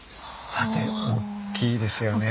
さておっきいですよね。